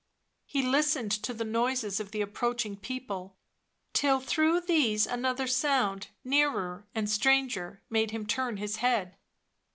. He listened to the noises of the approaching people, till through these another sound, nearer and stranger, made him turn his head.